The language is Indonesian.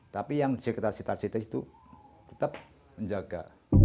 tapi yang di sekitar sitar situ tetap menjaga